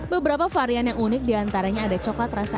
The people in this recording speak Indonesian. beberapa varian yang unik diantaranya ada coklat rasa